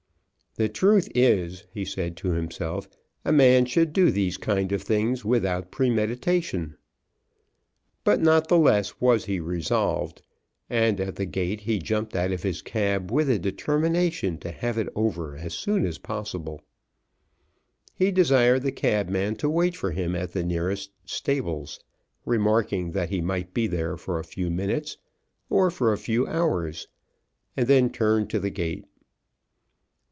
"The truth is," he said to himself, "a man should do these kind of things without premeditation." But not the less was he resolved, and at the gate he jumped out of his cab with a determination to have it over as soon as possible. He desired the cabman to wait for him at the nearest stables, remarking that he might be there for a few minutes, or for a few hours, and then turned to the gate.